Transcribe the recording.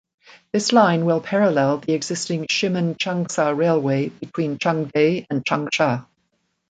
This line will parallel the existing Shimen–Changsha railway between Changde and Changsha.